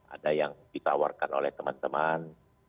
ada yang ditawarkan oleh teman teman